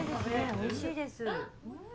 おいしいです。